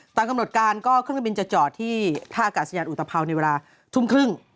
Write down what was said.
ตามกำหนดการก็เครื่องบินจะจอดที่ท่าอากาศยานอุตภาวในเวลาทุ่มครึ่ง